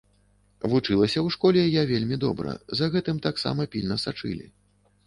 Вучылася ў школе я вельмі добра, за гэтым таксама пільна сачылі.